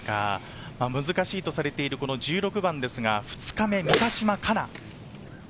難しいとされている１６番ですが、２日目の三ヶ島かな。